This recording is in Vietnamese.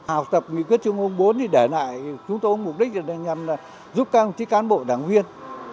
học tập nghị quyết trung ương bốn thì để lại chúng tôi mục đích là nhằm giúp các ông chí cán bộ đảng viên